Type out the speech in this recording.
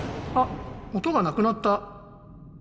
あ音がなくなった。